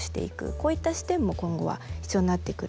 こういった視点も今後は必要になってくる。